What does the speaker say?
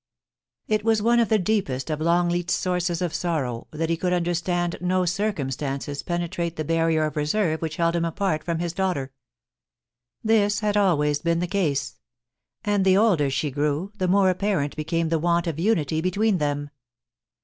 It was one of the deepest of Longleat's sources of sorrow, that he could under no circumstances penetrate the barrier of reserve which held him apart from his daughter. This had always been the case ; and the older she grew, the more apparent became the want of unity between them.